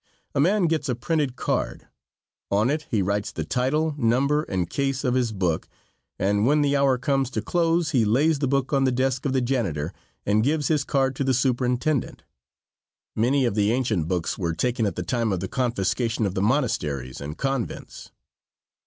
A man gets a printed card. On it he writes the title, number and case of his book, and when the hour comes to close he lays the book on the desk of the janitor and gives his card to the superintendent. Many of the ancient books were taken at the time of the confiscation of the monasteries and convents.